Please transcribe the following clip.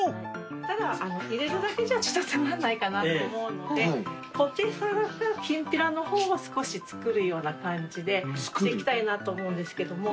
ただ入れるだけじゃつまんないかなと思うのでポテサラかキンピラの方は少し作るような感じでしていきたいなと思うんですけども。